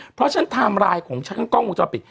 เพราะฉะนั้นไทม์ไลน์ของฉันทั้งกล้องวงจรปิด